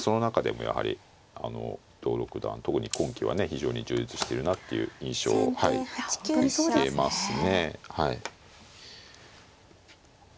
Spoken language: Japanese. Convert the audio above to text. その中でもやはり伊藤六段特に今期はね非常に充実してるなっていう印象を受けますね。